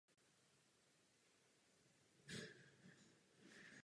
Vyskytuje se v bažinatých místech a pohybuje se v nižších částech lesa.